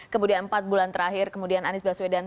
kemudian empat bulan terakhir kemudian anies baswedan